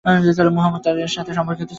মুহাম্মাদ এর সাথে তার সুসম্পর্ক ছিলো।